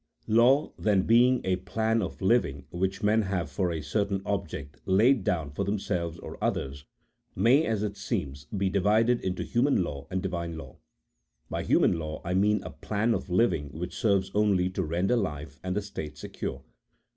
Law, then, being a plan of living which men have for a certain object laid down for themselves or others, may, as it seems, be divided into human law and Divine law. By human law I mean a plan of living which serves only to render life and the state secure.